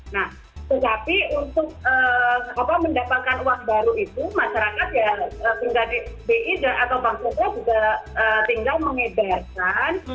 nah tetapi untuk mendapatkan uang baru itu masyarakat ya pribadi bi atau bank sentra juga tinggal mengedarkan